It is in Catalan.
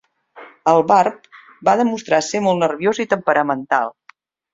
El Barb va demostrar ser molt nerviós i temperamental.